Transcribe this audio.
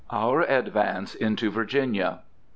OUR ADVANCE INTO VIRGINIA.